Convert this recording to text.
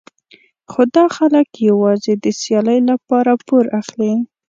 خو دا خلک یوازې د سیالۍ لپاره پور اخلي.